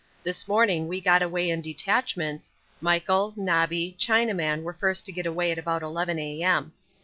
This morning we got away in detachments Michael, Nobby, Chinaman were first to get away about 11 A.M.